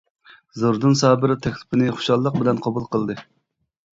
زوردۇن سابىر تەكلىپنى خۇشاللىق بىلەن قوبۇل قىلدى.